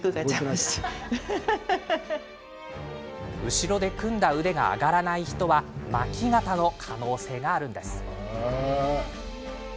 後ろで組んだ腕が上がらない人は巻き肩の可能性があるんです。